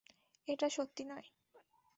এটা সত্যি নয়।